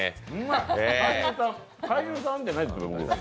俳優さんじゃないです、僕。